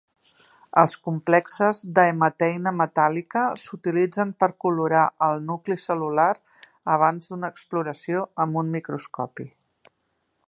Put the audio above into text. Els complexes d"haemateina metàl·lica s"utilitzen per colorar el nucli cel·lular abans d"una exploració amb un microscopi.